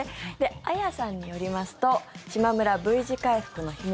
あやさんによりますとしまむらＶ字回復の秘密